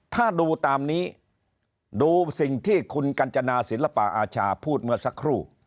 ถ้าดูตามนี้ดูสิ่งที่คุณกัญจนาศิลปะอาชาพูดเมื่อสักครู่